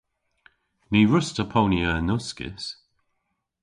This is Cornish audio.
Ny wruss'ta ponya yn uskis.